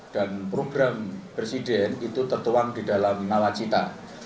dan program presiden itu tertuang di dalam nawacita